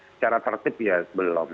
secara tertib ya belum